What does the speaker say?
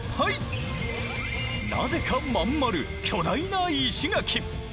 なぜかまん丸巨大な石垣！